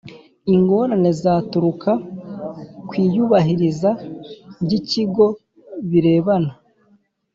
ingorane zaturuka ku iyubahiriza ry ikigo birebana